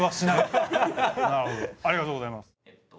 なるほどありがとうございます。